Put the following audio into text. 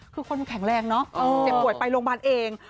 คือคนแข็งแรงเนอะเจ็บป่วยไปโรงพยาบาลเอง